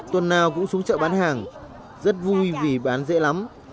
tuần nào cũng xuống chợ bán hàng rất vui vì bán dễ lắm